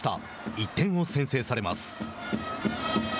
１点を先制されます。